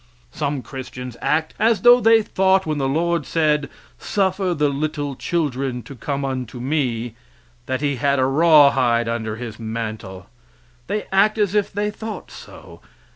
Some Christians act as though they thought when the Lord said, "Suffer little children to come unto me" that he had a raw hide under His mantle they act as if they thought so.